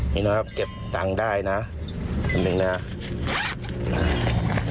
นี่นะครับเก็บตังค์ได้นะนึกนึกนะ